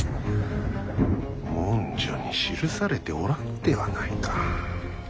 文書に記されておらぬではないか。